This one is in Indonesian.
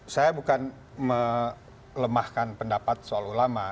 saya bukan melemahkan pendapat soal ulama